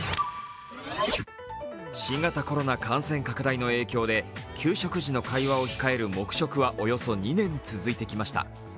新型コロナ感染拡大の影響で、給食時の会話を控える黙食はおよそ２年続いてきました。